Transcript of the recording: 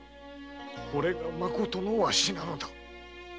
これがまことのわしなのだ。